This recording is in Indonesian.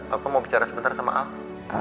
aku mau bicara sebentar sama al